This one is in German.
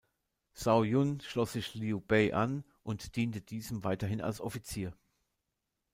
Zhao Yun schloss sich Liu Bei an und diente diesem weiterhin als Offizier.